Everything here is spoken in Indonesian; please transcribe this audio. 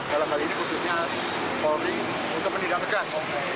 dalam hal ini khususnya polling untuk menidak tegas